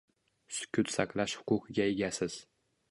«Sukut saqlash huquqiga egasiz»